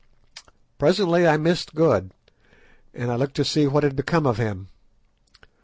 Presently I missed Good, and I looked to see what had become of him.